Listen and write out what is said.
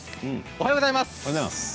おはようございます。